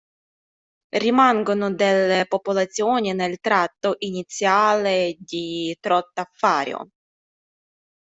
Rimangono delle popolazioni nel tratto iniziale di trota fario.